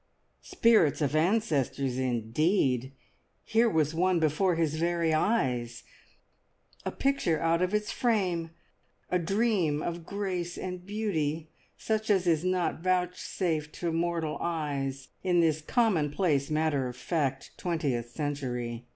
Spirits of ancestors, indeed! Here was one before his very eyes, a picture out of its frame, a dream of grace and beauty such as is not vouchsafed to mortal eyes in this commonplace, matter of fact twentieth century!